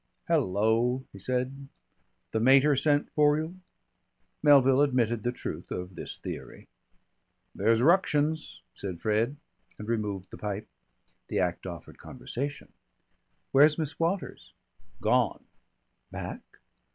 "Hello!" he said. "The mater sent for you?" Melville admitted the truth of this theory. "There's ructions," said Fred, and removed the pipe. The act offered conversation. "Where's Miss Waters?" "Gone." "Back?"